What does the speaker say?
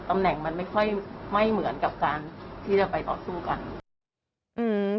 ตำแหน่งมันไม่ค่อยไม่เหมือนกับการที่จะไปต่อสู้กันอืม